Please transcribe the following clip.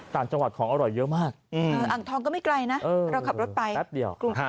ท่านจังหวัดของอร่อยเยอะมากอ่างทองก็ไม่ไกลนะเราขับรถไป